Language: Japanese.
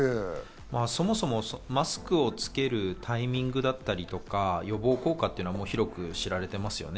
そもそもマスクをつけるタイミングだったりとか、予防効果というのは広く知られていますよね。